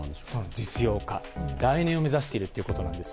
実用化、来年を目指しているということなんです。